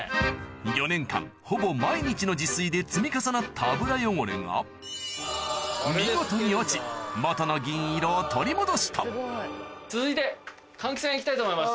４年間ほぼ毎日の自炊で積み重なった油汚れが見事に落ち元の銀色を取り戻した行きたいと思います